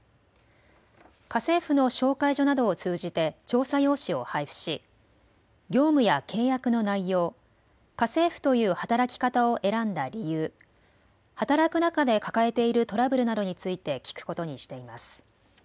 家政婦の紹介所などを通じて調査用紙を配布し業務や契約の内容、家政婦という働き方を選んだ理由、働く中で抱えているトラブルなどについて聞くことにしています。